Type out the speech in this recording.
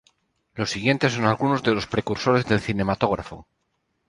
Los siguientes son algunos de los precursores del cinematógrafo.